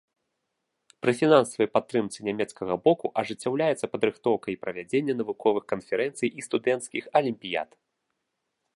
Пры фінансавай падтрымцы нямецкага боку ажыццяўляюцца падрыхтоўка і правядзенне навуковых канферэнцый і студэнцкіх алімпіяд.